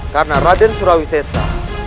karena raden surawi sesa